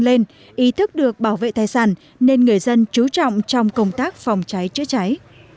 lên ý thức được bảo vệ tài sản nên người dân chú trọng trong công tác phòng cháy chữa cháy